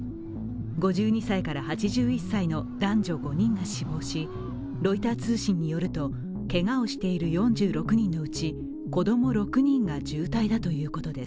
５２歳から８１歳の男女５人が死亡し、ロイター通信によるとけがをしている４６人のうち子供６人が重体だということです。